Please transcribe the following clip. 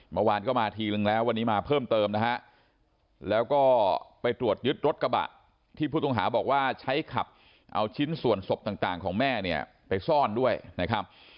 เมื่อวานก็มาทีนึงแล้ววันนี้มาเพิ่มเติมนะฮะแล้วก็ไปตรวจยึดรถกระบะที่ผู้ต้องหาบอกว่าใช้ขับเอาชิ้นส่วนศพต่างของแม่เนี่ยไปซ่อนด้วยนะครับ